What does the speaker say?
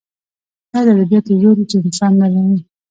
دا د ادبیاتو زور و چې انسان نرموي